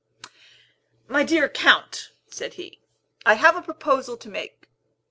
"My dear Count," said he, "I have a proposal to make.